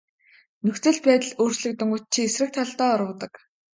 Нөхцөл байдал өөрчлөгдөнгүүт чи эсрэг талдаа урвадаг.